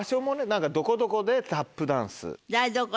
「どこどこでタップダンス」。